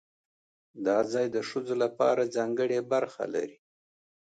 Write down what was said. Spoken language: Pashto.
دا ځای د ښځو لپاره ځانګړې برخه لري.